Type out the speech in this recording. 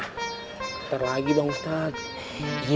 bentar lagi bang ustadz